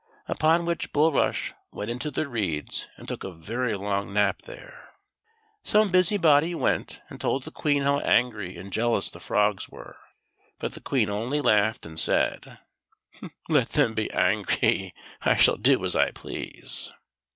Upon which Bulrush went into the reeds, and took a very long nap there. Some busybody went and told the Queen how angry and jealous the frogs were ; but the Queen only laughed, and said :" Let them be angry ; I shall do as I please."